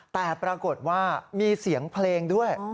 แต่ปรากฏว่ามีเสียงเพลงด้วย